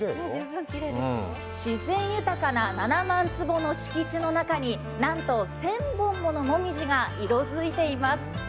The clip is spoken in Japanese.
自然豊かな７万坪の敷地の中に、なんと１０００本もの紅葉が色づいています。